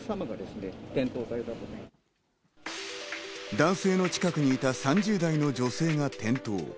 男性の近くにいた３０代の女性が転倒。